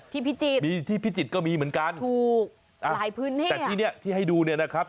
พิจิตรมีที่พิจิตรก็มีเหมือนกันถูกหลายพื้นที่แต่ที่เนี้ยที่ให้ดูเนี่ยนะครับ